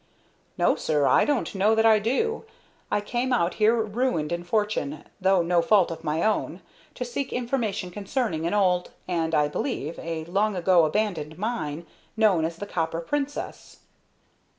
"No, sir; I don't know that I do. I came out here ruined in fortune, through no fault of my own, to seek information concerning an old, and, I believe, a long ago abandoned mine, known as the Copper Princess."